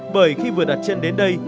bởi khi vừa đặt chân đến đây